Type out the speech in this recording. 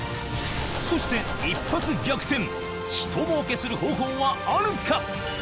そして一発逆転、ひともうけする方法はあるか。